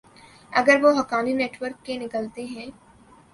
اگر وہ Haqqani network کے نکلتے ہیں۔